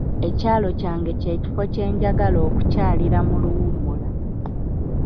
Ekyalo kyange kye kifo kyenjagala okukyalira mu luwummula.